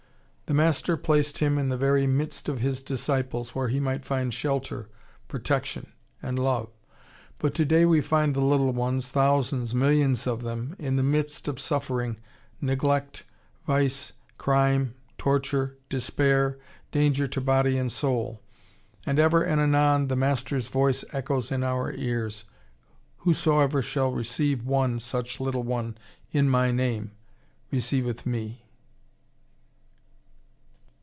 The Master placed him in the very midst of His disciples, where he might find shelter, protection, and love. But today we find the little ones, thousands, millions of them, in the midst of suffering, neglect, vice, crime, torture, despair, danger to body and soul. And ever and anon the Master's voice echoes in our ears, "Whosoever shall receive one such little one in My name, receiveth Me."